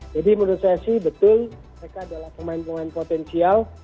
jadi menurut saya sih betul mereka adalah pemain pemain potensial